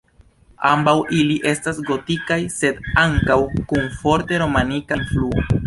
Ambaŭ ili estas gotikaj sed ankaŭ kun forte romanika influo.